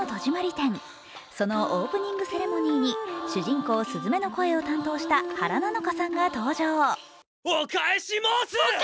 展そのオープニングセレモニーに主人公、鈴芽の声を担当した原菜乃華さんが登場。